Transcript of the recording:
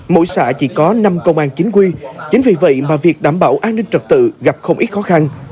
mỗi xã chỉ có năm công an chính quy chính vì vậy mà việc đảm bảo an ninh trật tự gặp không ít khó khăn